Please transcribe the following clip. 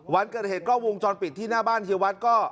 วันเกิดเหตุกล้องวงจรปิดที่หน้าบ้านเฮียวัดก็